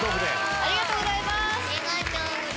ありがとうございます。